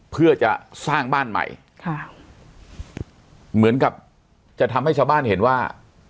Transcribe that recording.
เพื่อจะสร้างบ้านใหม่ค่ะเหมือนกับจะทำให้ชาวบ้านเห็นว่า